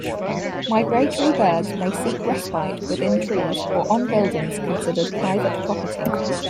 Migratory birds may seek respite within trees or on buildings considered private property.